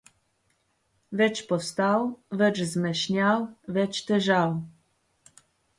Več postav, več zmešnjav, več težav.